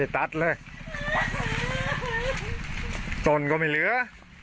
ตนก็ไม่เหลือ